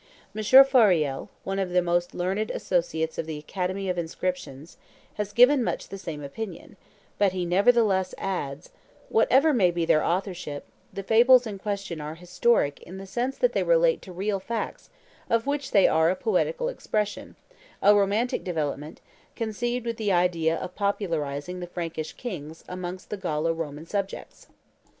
M. Fauriel, one of the most learned associates of the Academy of Inscriptions, has given much the same opinion, but he nevertheless adds, "Whatever may be their authorship, the fables in question are historic in the sense that they relate to real facts of which they are a poetical expression, a romantic development, conceived with the idea of popularizing the Frankish kings amongst the Gallo Roman subjects."